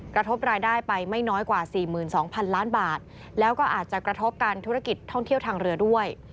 กระทบรายได้ไปไม่น้อยกว่า๔๒๐๐๐ล้านบาทแล้วก็อาจจะกระทบการธุรกิจท่องเที่ยวทางเรือด้วย